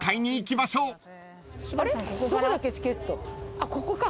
あっここか。